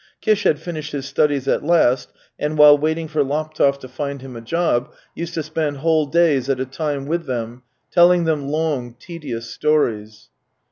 Kish had finished his studies at last, and while waiting for Laptev to find him a job, used to spend whole days at a time with them, telling them long, tedious stories.